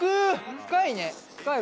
深いね深い深い。